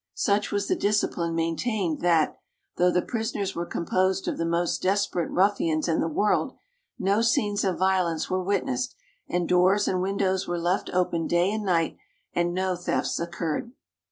Such was the discipline maintained that, though the prisoners were composed of the most des perate ruffians in the world, no scenes of violence were witnessed, and doors and windows were left open day and night and no thefts occurred.